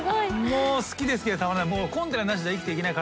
もう好きで好きでたまらない。